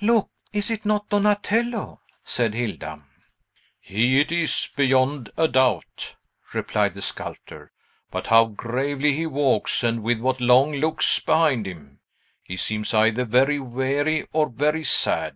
"Look! is it not Donatello?" said Hilda. "He it is, beyond a doubt," replied the sculptor. "But how gravely he walks, and with what long looks behind him! He seems either very weary, or very sad.